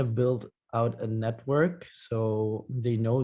jadi mereka tahu bahwa martabak yang mereka miliki